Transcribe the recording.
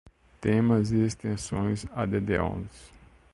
temas e extensões, add-ons